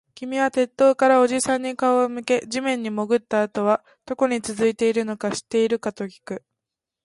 君は鉄塔からおじさんに顔を向け、地面に潜ったあとはどこに続いているのか知っているかときく